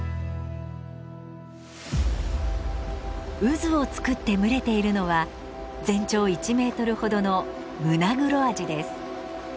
渦を作って群れているのは全長１メートルほどのムナグロアジです。